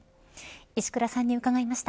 石倉さんに伺いました。